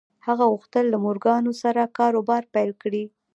هغه غوښتل له مورګان سره کاروبار پیل کړي